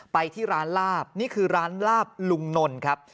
ไปที่ร้านลาบนี่คือร้านลาบลุงนนครับ